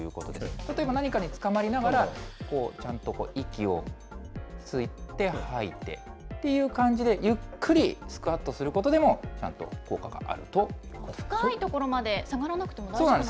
例えば何かにつかまりながら、こう、ちゃんと息を吸って吐いてっていう感じで、ゆっくりスクワットすることでも、ちゃんと効果があるということです。